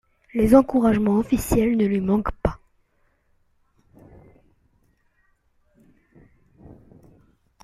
Les encouragements officiels ne lui manquent pas.